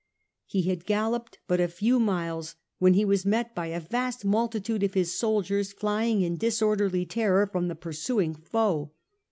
He had galloped but a few miles when he was met by a vast multitude of his soldiers, flying in disorderly terror from the pursuing foe.